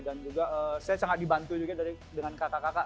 dan juga saya sangat dibantu juga dengan kakak kakak